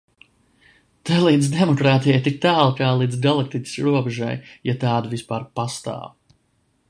Te līdz demokrātijai tik tālu kā līdz galaktikas robežai, ja tāda vispār pastāv.